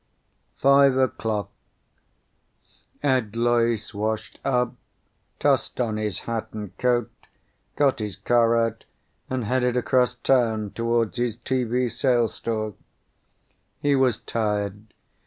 Five o'clock Ed Loyce washed up, tossed on his hat and coat, got his car out and headed across town toward his TV sales store. He was tired.